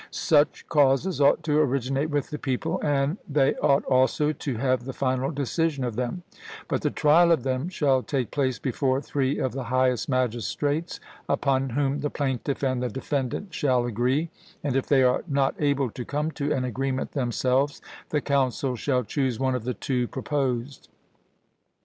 Such causes ought to originate with the people, and the ought also to have the final decision of them, but the trial of them shall take place before three of the highest magistrates, upon whom the plaintiff and the defendant shall agree; and if they are not able to come to an agreement themselves, the council shall choose one of the two proposed.